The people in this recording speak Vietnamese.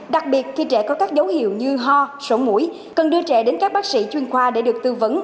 đặc biệt khi trẻ có các dấu hiệu như ho sổ mũi cần đưa trẻ đến các bác sĩ chuyên khoa để được tư vấn